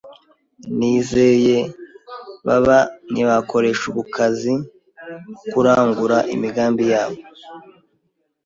Nizeye baba ntibakoresha ubukazi kurangura imigambi yabo.